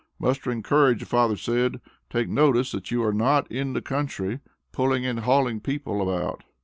Mustering courage, the father said, "Take notice that you are not in the country, pulling and hauling people about."